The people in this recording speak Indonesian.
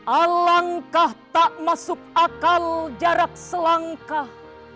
alangkah tak masuk akal jarak selangkah